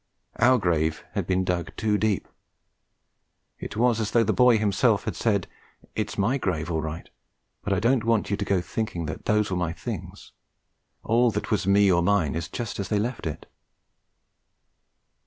Our grave had been dug too deep. It was as though the boy himself had said: 'It's my grave all right but I don't want you to go thinking those were my things! All that was me or mine is just as they left it.'